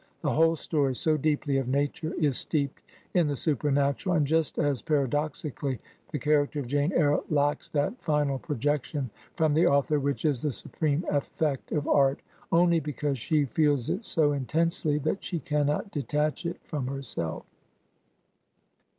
The whole story, so deeply of nature, is steeped in the supernatural; and just as paradoxically the character of Jane Eyre lacks that final projection from the author which is the supreme effect of art, only because she feels it so intensely that she cannot detach it from herself.